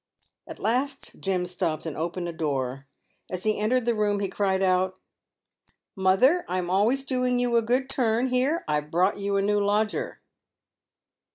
At last Jim stopped and opened a door. As he entered the room he cried out, " Mother, I'm always doing you a good turn. Here, I've brought you a new lodger."